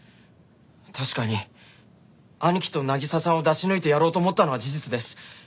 確かに兄貴と渚さんを出し抜いてやろうと思ったのは事実です。